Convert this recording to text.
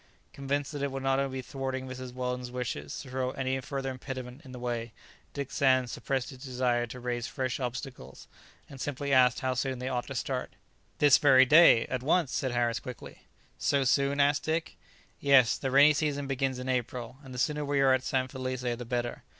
Convinced that it would only be thwarting Mrs. Weldon's wishes to throw any further impediment in the way, Dick Sands suppressed his desire to raise fresh obstacles, and simply asked how soon they ought to start. "This very day, at once," said Harris quickly. "So soon?" asked Dick. "Yes. The rainy season begins in April, and the sooner we are at San Felice the better.